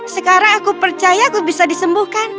sekarang aku percaya aku bisa disembuhkan